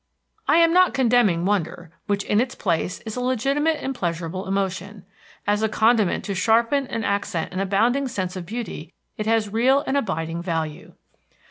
I am not condemning wonder, which, in its place, is a legitimate and pleasurable emotion. As a condiment to sharpen and accent an abounding sense of beauty it has real and abiding value.